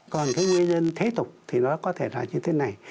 còn cái nguyên nhân thế tục thì nó có thể là như thế này